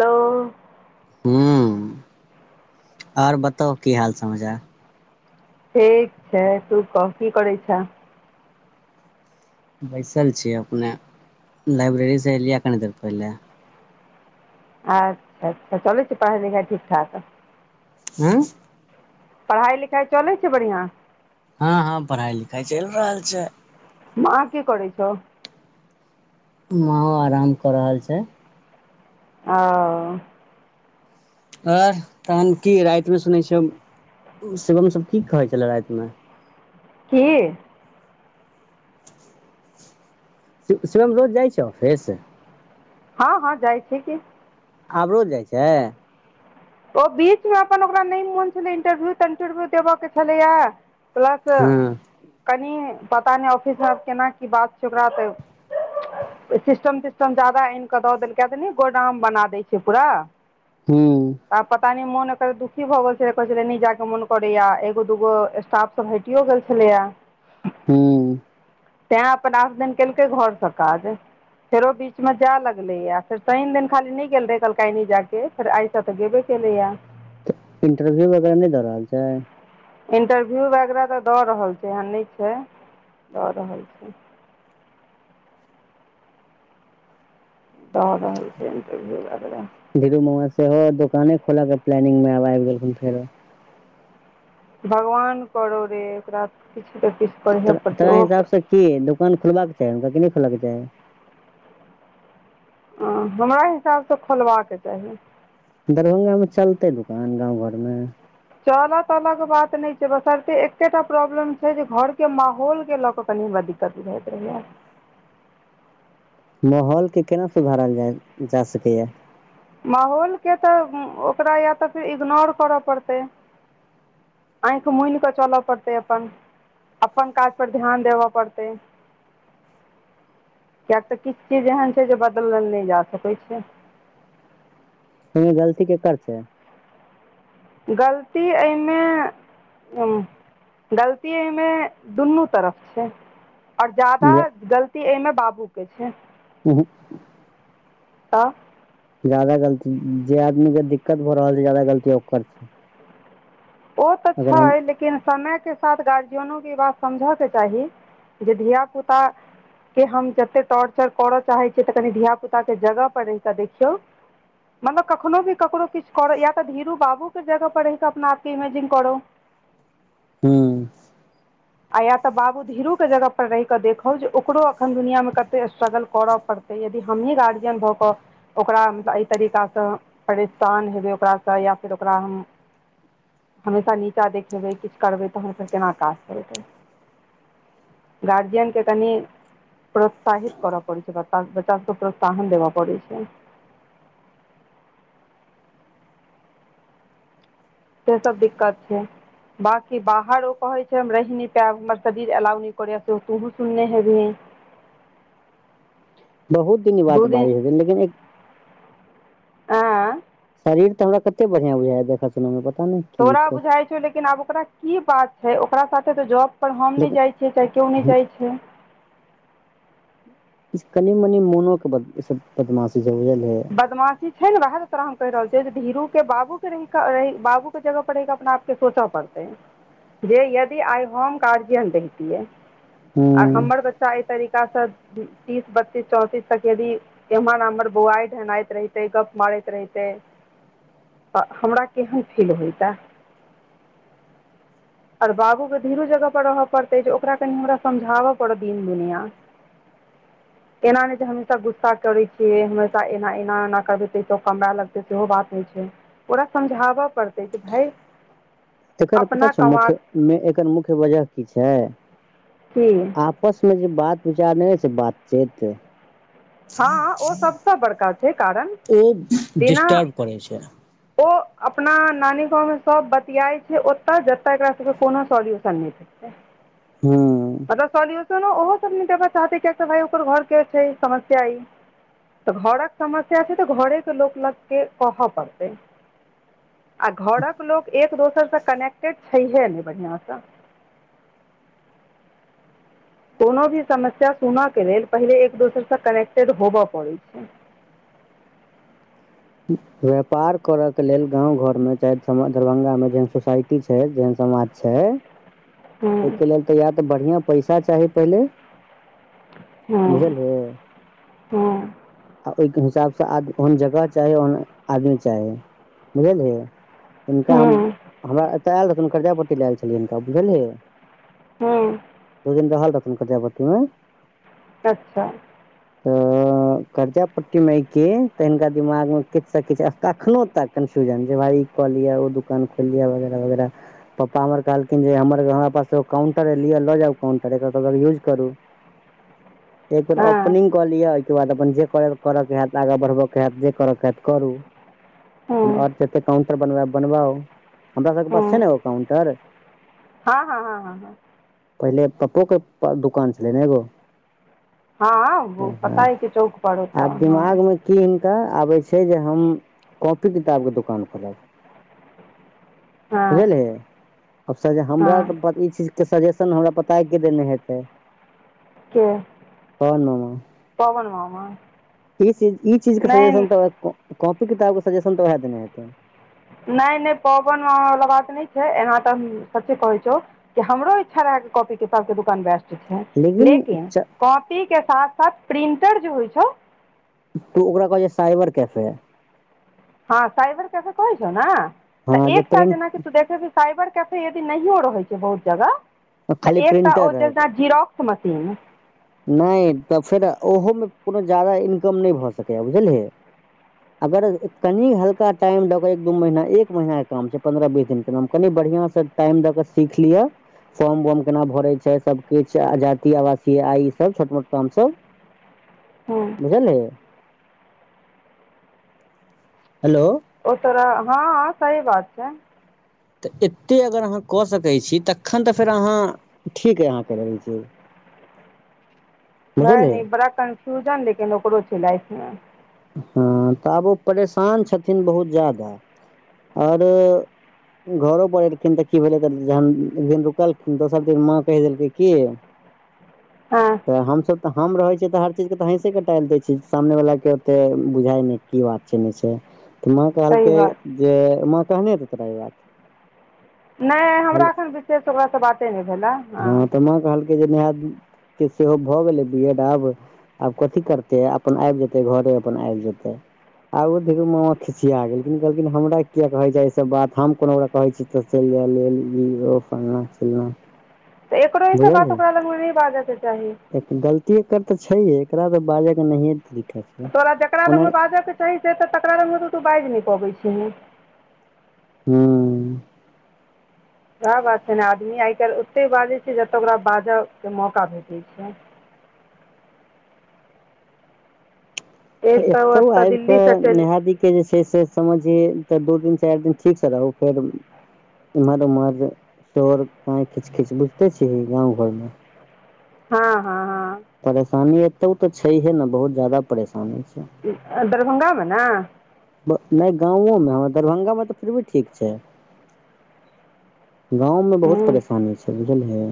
Hello हू are बताउ की हाल समाचार ठीक छै तू कह की करै छह। बैसल छियै अपने लाइब्रेरी सँ एयलियै कनि देर पहिले अच्छा अच्छा चलैय छै पढ़ाइ लिखाइ ठीक ठाक हू पढ़ाइ लिखाइ चलै छै बढ़िआ हँ हँ पढ़ाई लिखाई चल रहल छै माँ कि करै छैअ माँ आराम कऽ रहल छै। ओ आर तहन की राति मे सुनै छिय शिवम सब की कहै छले राति मे। की शिवम रोज जाइ छै ऑफिस। हँ हँ जाइ छै कि। आब रोज जाइ छै। ओ बीच मे अपन ओकरा नय मोन छलै इंटरव्यू तऽ इंटरव्यू देबय के छलैया प्लस हँ कनि पता नहि ऑफिस मे आब केना की बात छै ओकरा तऽ सिस्टम तिस्टम जादा आनि कऽ दऽ देलकै कियाक नै गोडाम बना दै छै ओकरा हँ आब पता कनी मोन एकर दुखी भऽ गेल छलै, कहे छलै न जाय के मऽन करेया, एगो दूगो स्टाफ सब हैटियो गेल छलेया ह तैं अपन आठ दिन केलकै घरसँ काज फेरो बीच मे जाय लगले यऽ फेर शैन दिन खाली नहि गेल रहे कहलकै आय नै जायके अछि। फेर आय तऽ गेबे केलय ये। इंटरव्यू वगैरह नहि दऽ रहल छै। इन्टरव्यू वगैरह तऽ दऽ रहल छै एहन नहि छै दऽ रहल छै। द रहल छै ईंटरभीउ वगेरहं धीरू मामा सेहो दोकाने खोलऽ केॅं प्लानिंग मे आब आबि गेलखिन फेरो भगवान करो रे ओकरा किछु ते किछु कड़य तोरा पड़तै तोरा ओहो तऽ हिसाबसँ की दोकान खोलबाक चाही हुनका कि नहि खोलबाक चाही। हाॅं हमरा हिसाबसँ खोलबाके चाही। दरभंगा में चलतै दुकान गाँंव घऽर मे। चऽला तऽला के बात नय छै बसरते ऐकेटा प्रॉब्लम छै जे घऽर के माहौल के लऽ के कनि हमरा दिक्कत भऽ जाय ये। माहौलके केना सुधारल जाय जा सकैय। माहौलके तऽ ओकरा या तऽ फेर इग्नोर करऽ पड़तै आँखि मुनिकऽ चलऽ पड़तै अपन, अपन काज पर ध्यान देबऽ पड़तै। कियकि तऽ किछु चीज एहन छै जे बदलल नहि जा सकैत छै। अहिमे गलती केकर छै। गलती एहिमे ह गलती एहिमे दुनू तरफ छै। आओर जादा जे गलती एहिमे बाबूके छै। उहुं तऽ जादा गलती जे आदमी के दिक्कत भऽ रहल छै ज्यादा गलती ओकर छै। ओ तऽ अगर हम छै लेकिन समयके साथ गार्जियनोके ई बात समझऽके चाही जे धियापुता के हम जते टोर्चर करऽ चाहे छियै तऽ कनि धिय पुता के जगह पर रहि कऽ देखियौ। मतलब कखनो भी ककरो किछु कर या तऽ धीरू बाबूके जगह पर रहि कऽ अपना आपके इमेजिन करो [unintelligible] आ या तऽ बाबू धीरू के जगह पर रहि कऽ देखौ जे ओकरो अखन दुनििया मे कते स्ट्रगल करय पड़तै यदि हमही गार्जियन भऽ कऽ ओकरास हम एहि तरीकासँ परेशान हेबै ओकरासँ या फेर ओकरा हम हमेशा नीचाँ देखेबै किछु करबै तऽहनते केना काज चलतै। गार्जियनक कनि प्रोत्साहित कर पड़ै छै बच्चा प्रोत्साहन देब पड़ै छै। से सब दिक्कत छै बाकी बाहर ओ कहे छै हम रहि न पायब हमर शरीर एलाउ न करे से तोहू सुनने हेबही [inaudible] बहुत दिन बाद बारिश हेतै लेकिन आ शरीर तऽ हमरा कते बढ़िया बुझा ह देखा सुन मे पता नहि की तोरा दिक्कत बुझाय छौ लेकिन आब ओकरा कि बात छै ओकरा साथे तो जॉब पर हम नहि लेकिन जाय छी। तऽ केओ नहि हँ जाई छै कनी मनी मोनो के बदमाशी बुझल ह बदमाशी छै ने वएह त तोरा हम कहि रहल छै धीरू के बाबू के रहि बाबू के जगह पर रहि के अपन सोचा पड़ते है जे यदि आइ होम ग्जियन रहती आ हूँ हमर बच्च एहि तरीकाँ तीस बत्तीस चौंतीस तकेदी एम्हर हमम्र बुआइ पहनाइत रहिते गप मारैत रहिते हमरा केहन फील होत ओर बाबूके धीरू जगह पर रहय पड़तै जे ओकरा कनि हमरा समझाबय पड़त दिन दुनिया [unintelligible] एना नहि छै हमेशा गुस्सा करै छियै हमेशा एना एना ओना करबै तऽ कमरा लगतै सेहो बात नहि छै। ओरा समझाबऽ पड़तै जे भा तर पता छौ मुख्य मे एकर मुख्य वजह कि छै। कि आप मे जे बात विचार नहि है से बातचत ह ओ सभसँ बड़का छै कारण ओ बिना डिस्टर्ब करै छै ओ अपना नानी गाव मे सभ बतियाय छै ओतए जते एकरा सभके कोनो सॉल्यूशन नहि ठीक छै। हू मतलब सोल्यूशनो ओहो सभ न देबा चाहते किय भ ओकर घर के छै समस्या ई तऽ घर कऽ समस्या छै तऽ घरे के लोक लग के कहऽ पड़तै आ घर कऽ लोक एक दोसरसँ कनेक्टेड छैहे नहि बढ़िआ सँ कोनो भी समस्या सुनऽ के लेल पहिले एक दोसरसँ कनेक्टेड होबय पड़ैत छै। व्यापार करय के लेल गाव घर मे चाहे दरभंगा मे जेहन सोसायटी छै जेहन समाज छै ओहिके लेल तऽ या तऽ बढ़िआ पैसा चाही पहिले हँ बुझल हँ ओहिके हिसाबसँ ओन जगह चाही ओन आदमी चाही बुझियै हिनका हम हँ हमरा एतय आयल रहथिन कर्ज पट्टी आयल छलियै हिनका बुझलियै हू दू दिन रहल रतन क्यावती मे अच्छा। आ कर्जा पट्टीमे के तऽ हिनका दिमाग मे किु से किछु कखनो तक कन्फ्यूजन जे भाई क लियिया ओ दुकान खोललिय वगैरह वगैर पप्पा हमर कहलखिन जे हमर हमरा पास एग काउंटर ए लि लऽ जाउ काउंटर यूज करू [inaudible] एक बेर हँ ओपनिंग कऽ लिय ओहि के बाद अपन जे कर के हत आगाँ बढ़ब के हत जे कर के हत करू हँ हँ ओर जते काउंटर बन बनबाउ हमरा सभके हँ पास छै हँ ने एगो काउंटर हँ हँ हँ पहिले पप्पो के दुकान छलै ने एगो। ह पता है कि चौक पर होता आब हँ दिमाग मे कि हिनका आबे छै जे हम कॉपी किताब के दुकान खोलब हँ बुझलियै आब स हमरा हँ तऽ ई चीज के सजेशन हमरा पता यै के देने हेतै के पवन मामा पवन मामा ई चीज ई चीज के नहि सजेशन तऽ कॉपी किताब के सजेशन तऽ उएह देने हेतै नय नय पवन मामा वला बात नय छै एना तऽ हम सच्चे कहै छौ कि हमरो इच्छा रहैके कॉपी किताब के दकान बेस्ट छै लेकिन कॉपी के साथ साथ प्रिन्टर जे होइ छौ तू ओकरा कहै छै साइबर कैफे हँ साइबर कैफे कहै छौ न तऽ हँ जे एकटा प्रिंट जेनाकि तू देख साइबर कैफे यदि नहियो रहै छै बहुत जगह तऽ खाली एकटा प्रिंटर जेना जिराॅ क्स मशीन नय तऽ फेर ओहोमे कोनो जादा इनकम नय भऽ सकैए बुझलही अगर कनि हल्का टाइम द के एक दू महीना एक महीना के काम छै पंन्द्रह बीस दिन के हम कनि बढ़ियां से टाइम दऽ कऽ सीख लिअ फॉर्म फॉर्म वर्म केना भरे छै सब किछ जाति आवासी आय सब छोट मोट काम छै हँ बुझलियै हेलो ओ तोरा हँ सही बात छै तऽ एते अगर अहाँ कऽ सकै छी तखन तऽ फेर अहाँ ठीक अइ अहाँ कहै छी वएह न बड़ा कन्फ्यूजन लेकिन ओकरो छै लाइफ मे हँ तऽ आब उ परेशान छथिन बहुत जादा आर घरो पर एलखिन तऽ की भेलै तऽ जहन एक दिन रुकलखिन दोसर दिन माँ कहि देलकै की हँ तऽ हमसभ तऽ हम रहै छियै तऽ हर चीज के तऽ हैंसे क टाइल दै छी सामने बला के ओतेक बुझाइ नय की बात छै नय छै तऽ माँ सही कहलकै बात जे माँ कहने हेतौ तोरा ई बात नय हमरा एखन विशेष ओकरासँ बाते नय भेला हँ तऽ माँ कहलकै जे नेहा दीदी के सेहो भए गेलै बी एड आब आब कथी करतै अपन आबि जेतै घरे अपन आबि जेतै आगू देख यौ माओ खिसिया गेलखिन कहलखिन हमरा किया कहे छै ई सब बात हम कोनो कहै छी तऽ चलि जाइ लेल ई ओ फलनाँ चिललाँ तऽ एकरो ई सब बात ओकरा लग मे नय बाजऽ के चाही गलती एकर तऽ छैहे एकरा तऽ बाजय के नहिये तरीका छै तोरा जकरा ओना लगमे बाजय के चाहि से तऽ तकरा लग तऽ तू बाजि नय पबै छिही हँ वएह बात छै ने आदमी आइ काल्हि ओते बाजै छै जतय ओकरा बाजय के मौका भेटै छै तऽ एक एतौ ओतय आइब दिल्लीसँ कऽ चलि नेहादिक के जे छै से समझि तऽ दू दिन चारि दिन ठीक से रहौ फेर इम्हर उम्हर शोर काय खिच खीच बुझते छीही गांव घर मे हँ हँ हँ परेशानी एतौ तऽ छैहे ने बहुत जादा परेशानी छै दरभंगा मे ने ब नै गाँवोमे हँ दरभंगामे तऽ फिर भी ठीक छै। [inaudible] गाँवमे बहुत ह्म्म परेशानी छै बुझलियै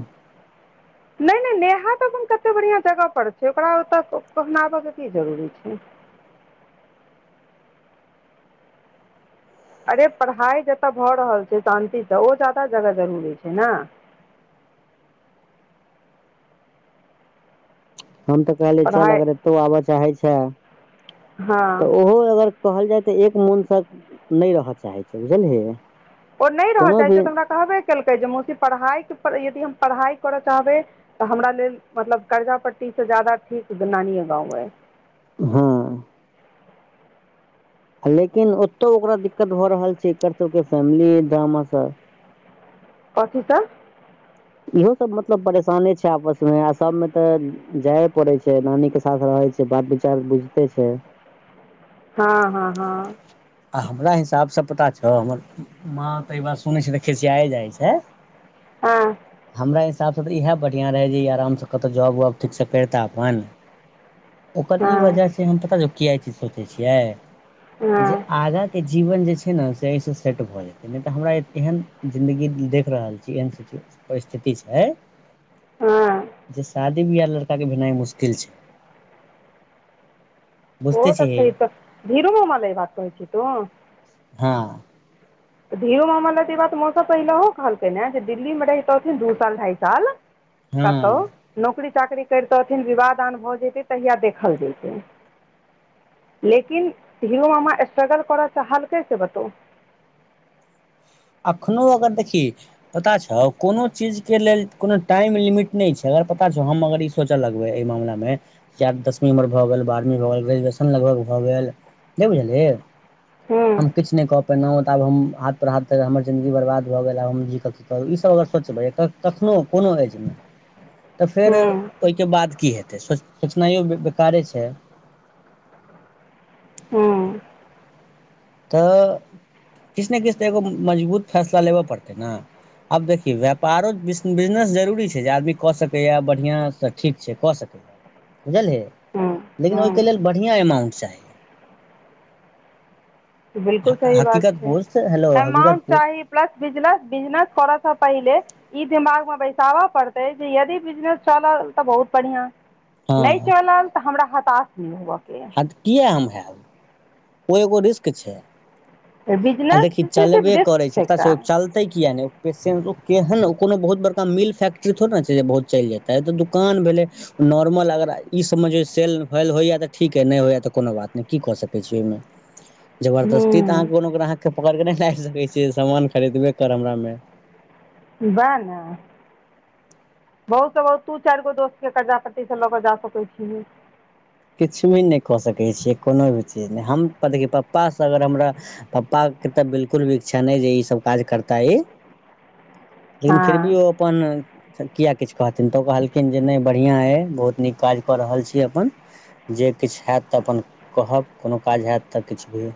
नै नै नेहा तऽ अपन कते बढ़िआँ जगह पर छै ओकरा ओतऽ पहनाबय के की जरूरी छै अरे पढ़ाइ जतय भऽ रहल छै शान्तिसँ ओ जादा जगह जरूरी छै ने हम तऽ कहलिय चल पढ़ाइ अगर एतौ आबऽ चाहै छाए हँ तऽ ओहो अगर कहल जाय तऽ एक मोनसँ नै रह चाहै छै बुझलहि ओ नै रह चाहै छै तऽ हमरा कहबे केलकै जे मौसी पढ़ाइ यदि हम पढ़ाइ करय चाहबै तऽ हमरा लेल मतलब कर्जा पट्टी स ज्यादा ठीक नानीय गाँव अय। हँ लेकिन ओतौ ओकरा दिक्कत भऽ रहल छै एकर सबके फैमिली ड्रामा स कथी सँ? इहो सब मतलब परेशाने छै आपस मे आ सब मे त जाए पड़ै छै नानी के साथ रहै छै से बात विचार बुझते छै। हँ हँ हँ आ हमरा हिसाबसँ पता छौ हमर माँ तऽ ई बात सुनै छै तऽ खिसिया जाइ छै। हाँ हमरा हिसाबसँ तऽ इएह बढ़िआँ रहै जे आरामसँ कतहु जॉब वॉब ठीकसँ करिता अपन ओकर ई हँ वजह छै हम पता किया ई चीज सोचै छियाय हँ जे आगाँ जीवन जे छै न से एहिसँ सेट भऽ जे नै तऽ हमरा एहन जिन्दगी देख रहल छी एहन सिचुएशन जे स्थिति छै हँ जे शादी बियाह लड़का के भेनाइ मुश्किल छै ओ बुझते तऽ छिही छै तऽ धीरू मामा लए ई बात कहै छी तू हाँ तऽ धीरो मामा लए ई बात मौसा तऽ पहिलहो कहलकै ने जे दिल्लीमे रहितथिन दू साल ढाइ साल हँ कतौ नौकरी चाकरी करितथिन विवाह दान भऽ जेतै तहिया देखल जैतै। लेकिन हीरो मामा स्ट्रगल करऽ चाहलकै से बतो अखनो अगर देखि पता छौ कोनो चीज के लेल कोनो टाइम लिमिट नै छै अगर पता छौ हम अगर ई सोचऽ लगबै एहि मामलामे जे आब दसमी हमर भऽ गेल बारहवी भऽ गेल ग्रेजुएशन लगभग भऽ गेल नै बुझलिहि हूँ हम किछु नै कऽ पेलौ तऽ आब हम हाथ पर हाथ तऽ हमर जिन्दगी बर्बाद भऽ गेल आब हम जीक की करू ई सब अगर सोचबै कखनो कोनो एजमे [inaudible] तऽ फेर हूँ ओईके बाद की हेतै सो सोचनाइयो बेकारे छै। हूँ तऽ किछु ने किछु तऽ एगो मजबूत फैसला लेबय पड़तै न आब देखी व्यापारो बिस बिजनेस जरूरी छै जे आदमी कऽ सकैए बढ़िआँसँ ठीक छै कऽ सकैए बुझलही हूँ लेकिन हूँ ओईके लेल बढ़िआँ अमाउंट चाही। बिल्कुल सही बात हकीकत छै पोस्ट हेलो हकीकत अमाउंट पोस्ट चाही प्लस बिजनस बिजनस कर सँ पहिले ई दिमागमे बैसाबऽ पड़तै जे यदि बिजनस चलल तऽ बहुत बढ़िआँ हँ नै चलल तऽ हमरा हताश नै हुअके अए। आ तऽ किए हम हैब। ओ एगो रिस्क छै अइ आ बिजनेस देखी जे छै से चलबे रिस्क करै छै पता छै एकटा चलतै किया नै पेशें केहन कोनो बहुत बड़का मिल फैक्ट्री थोड़ ने छै जे बहुत चलि जेते इई त दुकान भेलेय। नॉर्मल अगर ई समझियौ जे सेल वेल होइया तऽ ठीक य नय होइया तऽ कोनो बात नय की कऽ सकैत छी। हम्म जबरदस्ती हूँ तऽ अहाँ कोनो ग्राह केऊ पकड़ के नय लाइग सकै छीयै सामान खरीदबे कर हमरा मे वैह न बहुत त बहुत तू चाइर गो दोस्तके कर्जा पट्टी से लऽ क जा सकैत छी किछु भी नय कऽ सकै छियै कोनो भी चीज नय हम देखी पप्पासँ अगर हमरा पप्पा के तऽ बिलकुल भी इच्छा नय जे ई सब काज करता ई [inaudible] लेकिन फिर हँ भी ओ अपन किए किछु कहथिन तऽ ओ कहलखिन जे नय बढ़िआँ अइ बहुत नीक काज कऽ रहल छी अपन जे किछु हैत तऽ अपन कहब कोनो काज हैयत तऽ किछ भी